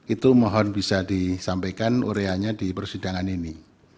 itu mohon bisa disampaikan ureanya di persidangan ini